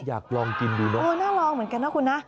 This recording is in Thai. อยากลองกินดูเนอะโอ้น่าลองเหมือนกันนะคุณนะ